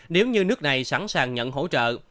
nếu như nước này sẵn sàng nhận hỗ trợ